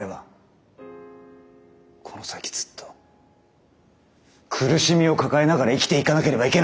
この先ずっと苦しみを抱えながら生きていかなければいけないんですよ。